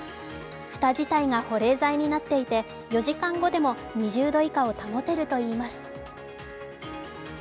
蓋自体が保冷剤になっていて、４時間後でも２０度以下を保てるといいます。